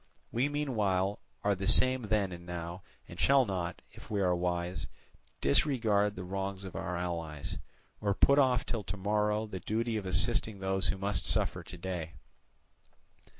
We meanwhile are the same then and now, and shall not, if we are wise, disregard the wrongs of our allies, or put off till to morrow the duty of assisting those who must suffer to day.